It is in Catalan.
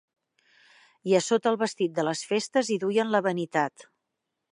I a sota el vestit de les festes hi duien la vanitat